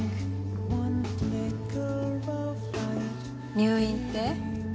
入院って？